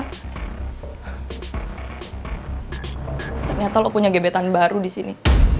ternyata lo punya gebetan baru di sini